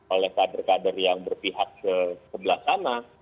oleh kader kader yang berpihak kebelak sana